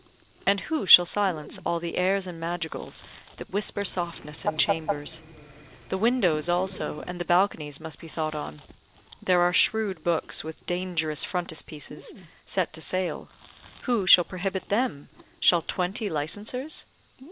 And who shall silence all the airs and madrigals that whisper softness in chambers? The windows also, and the balconies must be thought on; there are shrewd books, with dangerous frontispieces, set to sale; who shall prohibit them, shall twenty licensers?